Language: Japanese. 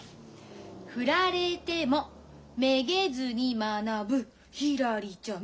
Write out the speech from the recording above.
「振られてもめげずに学ぶひらりちゃん」と。